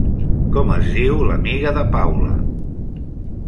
Com es diu l'amiga de Paula?